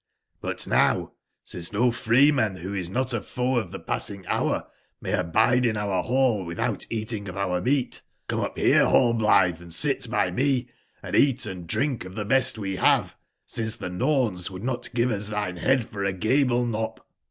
But now, since nof reeman, wbo is not a foe of tbe passing bour, may abide in our ball witb out eatingof our meat, come up bere, Hallblitbe, and sit by me, & eat and drink of tbe best we bave, since tbe JNfoms would not give us tbine bead for a gable knop.